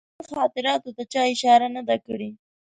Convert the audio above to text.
د تیمور خاطراتو ته چا اشاره نه ده کړې.